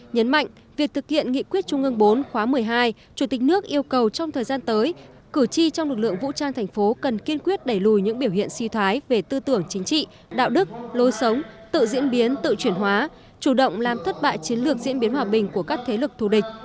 nhấn mạnh việc thực hiện nghị quyết trung ương bốn khóa một mươi hai chủ tịch nước yêu cầu trong thời gian tới cử tri trong lực lượng vũ trang thành phố cần kiên quyết đẩy lùi những biểu hiện suy thoái về tư tưởng chính trị đạo đức lối sống tự diễn biến tự chuyển hóa chủ động làm thất bại chiến lược diễn biến hòa bình của các thế lực thù địch